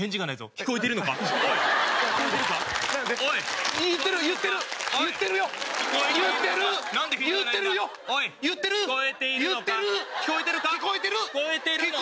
聞こえてるか？